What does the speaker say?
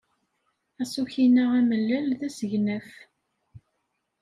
Aṣuk-inna amellal d asegnaf.